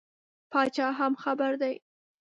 پاچا هم خبر دی.